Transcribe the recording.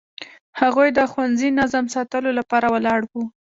هغوی د ښوونځي نظم ساتلو لپاره ولاړ وو.